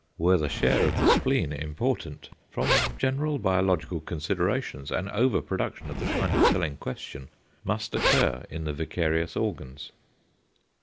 Were the share of the spleen important, from general biological considerations, an over production of the kind of cell in question must occur in the vicarious organs.